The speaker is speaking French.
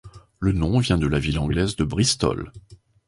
Le nom vient de la ville anglaise de Bristol.